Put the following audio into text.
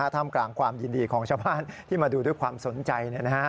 ท่ามกลางความยินดีของชาวบ้านที่มาดูด้วยความสนใจ